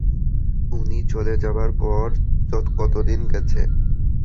উনি চলে যাবার পর কতদিন গেছে?